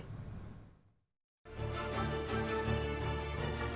hàng rong trèo kéo